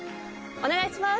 お願いします。